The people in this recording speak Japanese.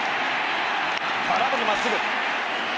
空振り真っすぐ。